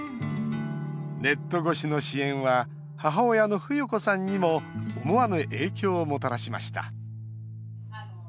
ネット越しの支援は母親の冬子さんにも思わぬ影響をもたらしました。